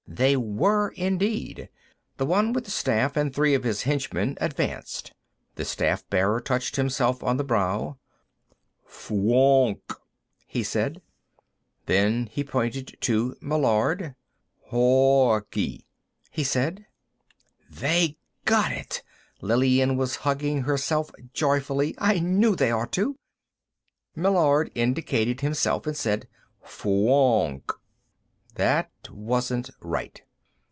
They were indeed. The one with the staff and three of his henchmen advanced. The staff bearer touched himself on the brow. "Fwoonk," he said. Then he pointed to Meillard. "Hoonkle," he said. "They got it!" Lillian was hugging herself joyfully. "I knew they ought to!" Meillard indicated himself and said, "Fwoonk." That wasn't right.